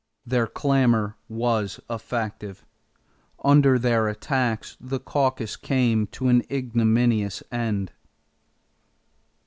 Their clamor was effective. Under their attacks, the caucus came to an ignominious end.